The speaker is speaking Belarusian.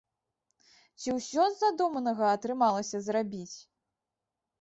Ці ўсё з задуманага атрымалася зрабіць?